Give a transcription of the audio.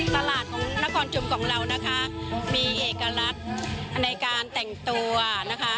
ตลาดของนครชุมของเรานะคะมีเอกลักษณ์ในการแต่งตัวนะคะ